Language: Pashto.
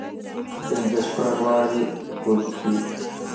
پنځه شپږ وارې پوجي کېږي.